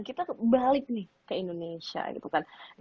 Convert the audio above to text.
kita balik nih ke indonesia gitu kan